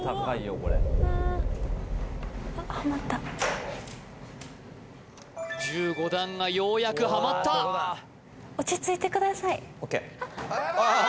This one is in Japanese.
はまった１５段がようやくはまった落ち着いてくださいＯＫ